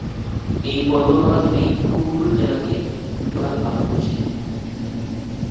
এই পর্বতমালা দুটি কুর্নুল জেলাকে দুটি ভাগে ভাগ করেছে।